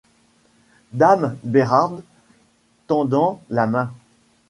Dame Bérarde, tendant la main.